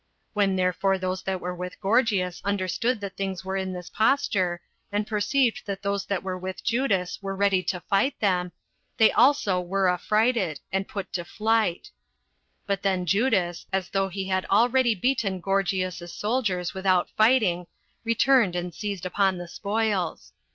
When therefore those that were with Gorgias understood that things were in this posture, and perceived that those that were with Judas were ready to fight them, they also were affrighted, and put to flight; but then Judas, as though he had already beaten Gorgias's soldiers without fighting, returned and seized on the spoils.